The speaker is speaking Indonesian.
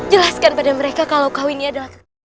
jelaskan pada mereka kalau kau ini adalah